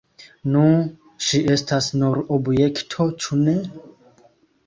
Nu, ŝi estas nur objekto, ĉu ne?